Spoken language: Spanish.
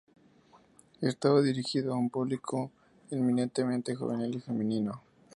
Estaba dirigido a un público eminentemente juvenil y femenino.